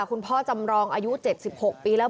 คุณพ่อจำลองอายุ๗๖ปีแล้ว